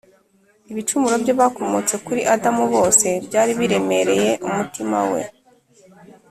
ibicumuro by’abakomotse kuri adamu bose, byari biremereye umutima we